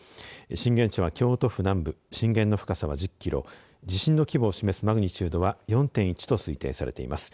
震源地は京都府南部、震源の深さは１０キロ、地震の規模を示すマグニチュードは４．１と推定されています。